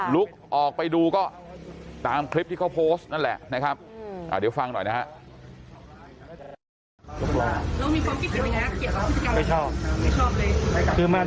ลุกออกไปดูก็ตามคลิปที่เขาโพสต์นั่นแหละนะครับเดี๋ยวฟังหน่อยนะฮะ